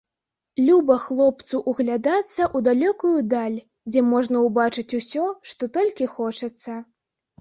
Люба хлопцу ўглядацца ў далёкую даль, дзе можна ўбачыць усё, што толькі хочацца.